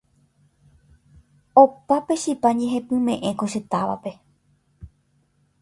opa pe chipa ñehepyme'ẽ ko che távape